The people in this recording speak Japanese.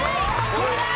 これだー！